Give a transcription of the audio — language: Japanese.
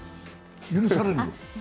許されるの？